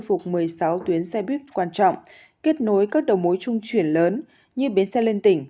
phục một mươi sáu tuyến xe buýt quan trọng kết nối các đầu mối trung chuyển lớn như bến xe liên tỉnh